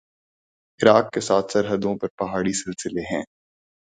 عراق کے ساتھ سرحدوں پر پہاڑی سلسلے ہیں